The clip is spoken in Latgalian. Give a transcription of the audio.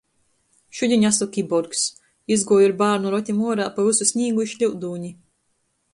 Šudiņ asu kiborgs. Izguoju ar bārnu rotim uorā pa vysu snīgu i šliudūni.